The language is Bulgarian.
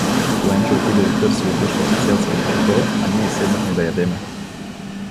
Стоенчо отиде да търси обуща при селския учител, а ние седнахме да ядеме.